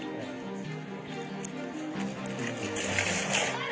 はい！